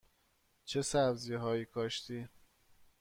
چه سبزی هایی کاشتی؟